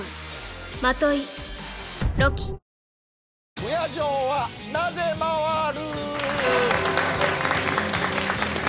「不夜城はなぜ回る」